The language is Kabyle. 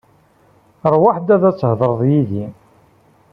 Rwaḥ-d ad thedreḍ yid-i.